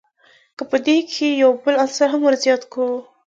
که په دې کښي یو بل عنصر هم ور زیات کو.